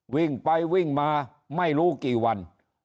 วิ่งไปวิ่งมาไม่รู้กี่วัน